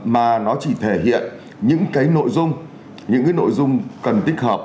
mà nó chỉ thể hiện những cái nội dung những cái nội dung cần tích hợp